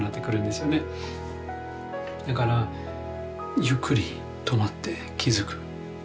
だからゆっくり止まって気付く。